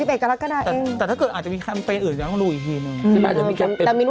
แต่ถ้าเกิดอาจจะมีแคมเปญอื่นจะต้องรู้อีกทีหนึ่ง